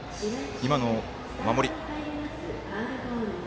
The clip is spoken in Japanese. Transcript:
今の守り。